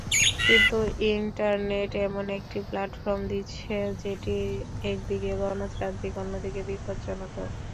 কিন্তু ইন্টারনেট এমন একটি প্ল্যাটফর্ম দিচ্ছে, যেটি একদিকে গণতান্ত্রিক, অন্যদিকে বিপজ্জনকও।